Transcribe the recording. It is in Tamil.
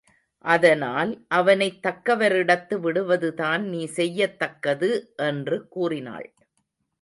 அதனால் அவனைத் தக்கவரிடத்து விடுவதுதான் நீ செய்யத்தக்கது என்று கூறினாள்.